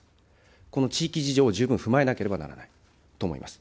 この地域事情を十分踏まえなければならないと思います。